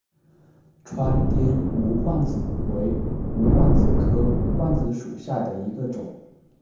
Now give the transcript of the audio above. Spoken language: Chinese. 川滇无患子为无患子科无患子属下的一个种。